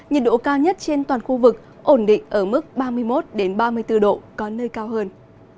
nhiệt độ cao nhất trên toàn khu vực ổn định ở mức ba mươi một ba mươi bốn độ có nơi cao hơn